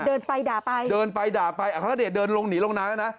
เดินไปด่าไปอัคาระเดชเดินลงหนีลงนั้น